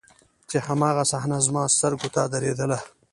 چې هماغه صحنه زما سترګو ته درېدله.